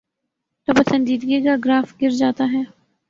توپسندیدگی کا گراف گر جاتا ہے۔